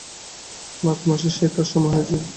মাঘ মাসে সেই তাঁর সময় হইয়াছে।